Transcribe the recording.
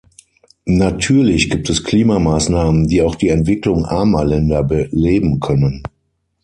Natürlich gibt es Klimamaßnahmen, die auch die Entwicklung armer Länder beleben können.